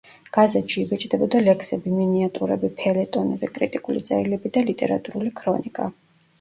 გაზეთში იბეჭდებოდა ლექსები, მინიატურები, ფელეტონები, კრიტიკული წერილები და ლიტერატურული ქრონიკა.